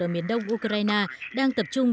ở miền đông ukraine đang tập trung